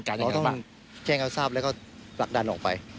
จะแจ้งเอาสาปแล้วก็ปลั๊กดันออกไป